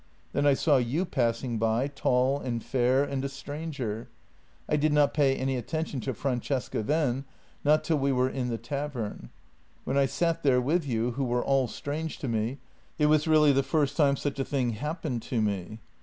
Then I saw you passing by, tall and fair and a stranger. I did not pay any attention to Francesca then — not till we were in the tavern. When I sat there with you, who were all strange to me — it was really the first time such a thing happened to me.